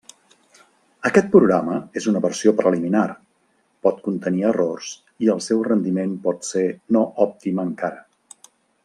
Aquest programa és una versió preliminar, pot contenir errors i el seu rendiment pot ser no òptim encara.